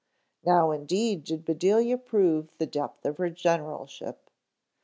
Now indeed did Bedelia prove the depth of her generalship.